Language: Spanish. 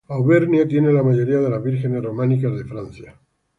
Auvernia tiene la mayoría de las vírgenes románicas de Francia.